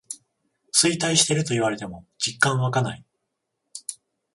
衰退してると言われても実感わかない